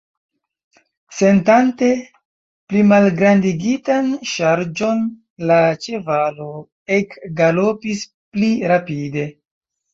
Sentante plimalgrandigitan ŝarĝon, la ĉevalo ekgalopis pli rapide.